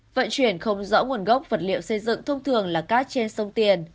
vận chuyển không rõ nguồn gốc vật liệu xây dựng thông thường là cát trên sông tiền